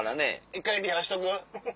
一回リハしとく？